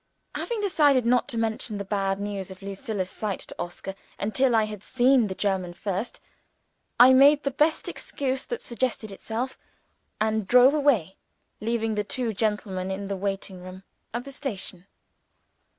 Having decided not to mention the bad news about Lucilla's sight to Oscar, until I had seen the German first, I made the best excuse that suggested itself, and drove away leaving the two gentlemen in the waiting room at the station.